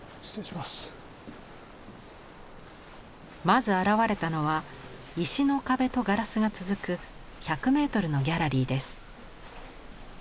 まず現れたのは石の壁とガラスが続く１００メートルのギャラリーです。